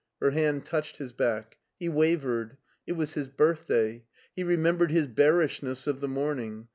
Her hand touched his back. He wavered. It was his birthday. He remembered his bearishness of the morning.